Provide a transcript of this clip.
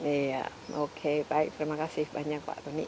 iya oke baik terima kasih banyak pak tony